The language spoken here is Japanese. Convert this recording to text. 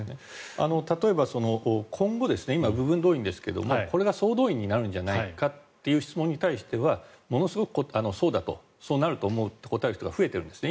例えば、今後今、部分動員ですがこれが総動員になるんじゃないかという質問に対してはものすごくそうだとそうなると思うと答える人が増えているんですね。